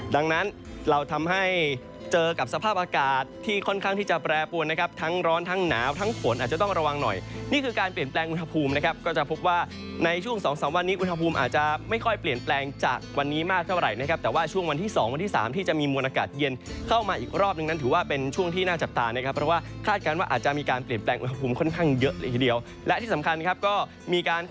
ดังนั้นเราทำให้เจอกับสภาพอากาศที่ค่อนข้างที่จะแปรปวนนะครับทั้งร้อนทั้งหนาวทั้งฝนอาจจะต้องระวังหน่อยนี่คือการเปลี่ยนแปลงอุณหภูมินะครับก็จะพบว่าในช่วงสองสามวันนี้อุณหภูมิอาจจะไม่ค่อยเปลี่ยนแปลงจากวันนี้มากเท่าไหร่นะครับแต่ว่าช่วงวันที่สองวันที่สามที่จะมีมวลอากาศเย็นเข้ามาอี